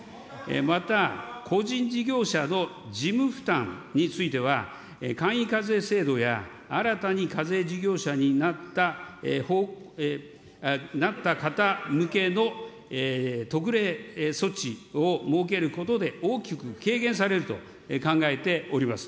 また、個人事業者の事務負担については、簡易課税制度や、新たに課税事業者になった方向けの特例措置を設けることで、大きく軽減されると考えております。